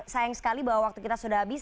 sayang sekali bahwa waktu kita sudah habis